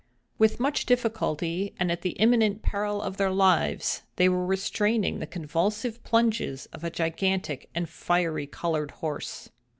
With much difficulty, and at the imminent peril of their lives, they were restraining the convulsive plunges of a gigantic and fiery colored horse.